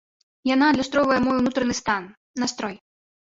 Яна адлюстроўвае мой унутраны стан, настрой.